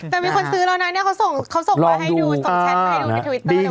แต่มีคนซื้อแล้วนะเนี่ยเขาส่งมาให้ดูส่งแชทมาให้ดูในทวิตเตอร์